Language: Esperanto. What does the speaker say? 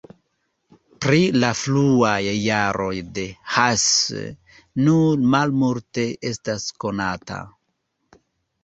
Pri la fruaj jaroj de Hasse nur malmulte estas konata.